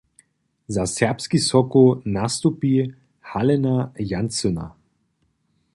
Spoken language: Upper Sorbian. Za Serbski Sokoł nastupi Halena Jancyna.